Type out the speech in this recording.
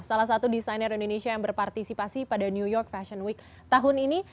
salah satu desainer indonesia yang berpartisipasi pada new york fashion week tahun ini